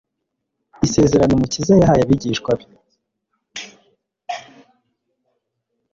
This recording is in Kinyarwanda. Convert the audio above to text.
Isezerano Umukiza yahaye abigishwa be,